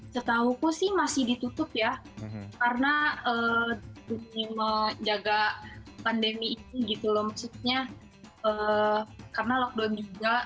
setahuku sih masih ditutup ya karena menjaga pandemi ini gitu loh maksudnya karena lockdown juga